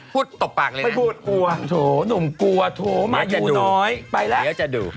พูดตบปากเลยนะไปพูดกลัวหนุ่มกลัวมาอยู่น้อยไปแล้วเดี๋ยวจะดู